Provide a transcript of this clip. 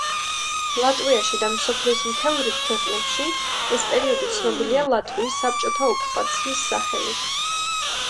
ლატვიაში და მსოფლიოს მთელ რიგ ქვეყნებში ეს პერიოდი ცნობილია ლატვიის საბჭოთა ოკუპაციის სახელით.